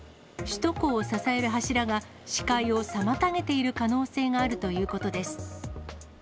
首都高を支える柱が、視界を妨げている可能性があるということです。